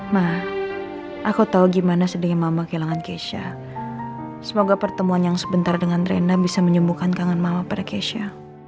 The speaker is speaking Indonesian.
ma aku tahu gimana sedihnya mama kehilangan keisha semoga pertemuan yang sebentar dengan renda bisa menyembuhkan kangen mama pada keisha